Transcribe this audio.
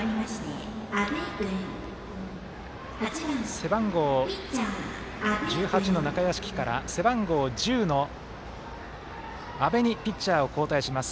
背番号１８の中屋敷から背番号１０の阿部にピッチャーが交代します。